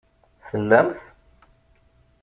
Tellamt?